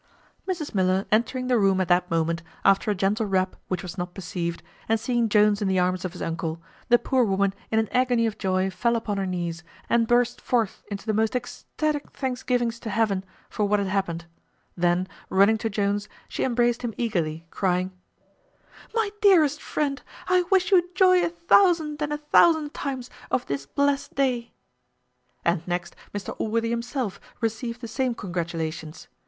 Mrs Miller entering the room at that moment, after a gentle rap which was not perceived, and seeing Jones in the arms of his uncle, the poor woman in an agony of joy fell upon her knees, and burst forth into the most ecstatic thanksgivings to heaven for what had happened; then, running to Jones, she embraced him eagerly, crying, "My dearest friend, I wish you joy a thousand and a thousand times of this blest day." And next Mr Allworthy himself received the same congratulations.